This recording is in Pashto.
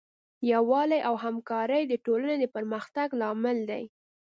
یووالی او همکاري د ټولنې د پرمختګ لامل دی.